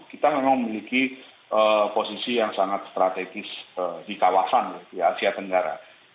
kita memang memiliki posisi yang sangat strategis di kawasan asia tenggara